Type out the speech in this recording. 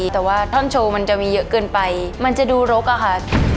แต่ว่าท่อนโชว์มันจะมีเยอะเกินไปมันจะดูรกอะค่ะ